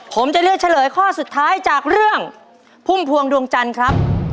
ผมจะเลือกเฉลยข้อสุดท้ายจากเรื่องพุ่มพวงดวงจันทร์ครับ